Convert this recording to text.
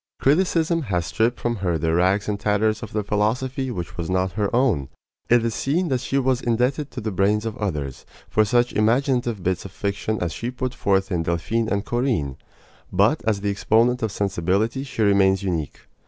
Criticism has stripped from her the rags and tatters of the philosophy which was not her own. It is seen that she was indebted to the brains of others for such imaginative bits of fiction as she put forth in Delphine and Corinne; but as the exponent of sensibility she remains unique.